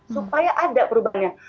supaya ada perubahannya